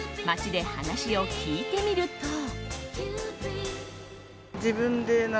街で話を聞いてみると。